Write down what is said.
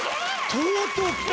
とうとうきた！